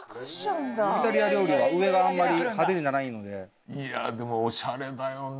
イタリア料理は上があんまり派手じゃないのでいやでもおしゃれだよね